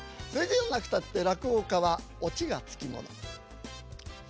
それではなくたって落語家は落ちが付き物。